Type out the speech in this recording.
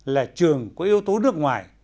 là trường của yếu tố nước ngoài